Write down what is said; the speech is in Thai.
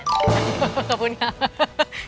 ขอบคุณค่ะ